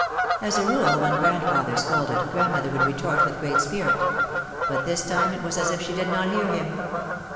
As a rule when grandfather scolded, grandmother would retort with great spirit. But this time it was as if she did not hear him.